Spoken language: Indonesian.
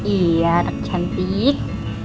iya anak cantik